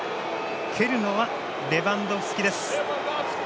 蹴るのはレバンドフスキです。